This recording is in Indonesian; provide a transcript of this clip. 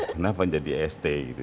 kenapa jadi st gitu